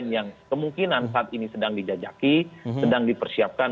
yang sedang dipersiapkan